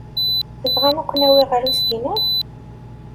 Tebɣam ad ken-awiɣ ɣer usegnaf?